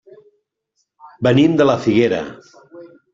Venim de la Figuera.